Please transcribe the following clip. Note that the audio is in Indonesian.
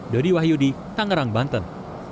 dari wahyu di tangerang banten